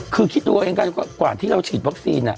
คือคิดดูเอาเองก็กว่าที่เราฉีดวัคซีน